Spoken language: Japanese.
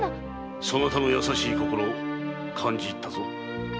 そなたの優しい心感じいったぞ。